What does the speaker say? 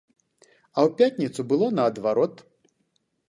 А ў пятніцу было наадварот.